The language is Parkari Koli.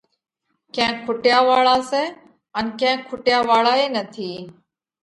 ڪينڪ کُٽيا واۯا سئہ ان ڪينڪ کُٽيا واۯا ئي نٿِي۔